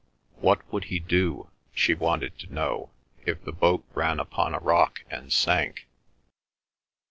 What would he do, she wanted to know, if the boat ran upon a rock and sank.